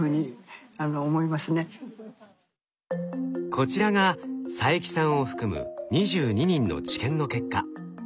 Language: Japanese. こちらが佐伯さんを含む２２人の治験の結果。